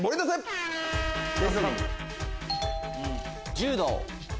柔道。